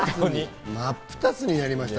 まっぷたつになりました。